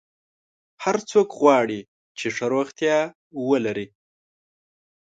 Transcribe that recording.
هر څوک غواړي چې ښه روغتیا ولري.